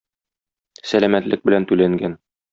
Сәламәтлек белән түләнгән.